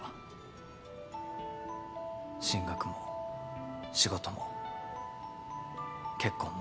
進学も仕事も結婚も。